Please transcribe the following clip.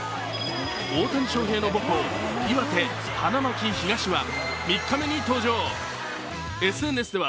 大谷翔平の母校、岩手・花巻東は３日目に登場。